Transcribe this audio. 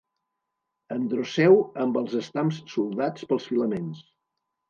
Androceu amb els estams soldats pels filaments.